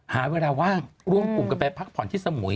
หาเวลาว่างร่วมกลุ่มกันไปพักผ่อนที่สมุย